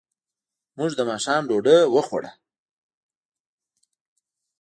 موږ د ماښام ډوډۍ وخوړه.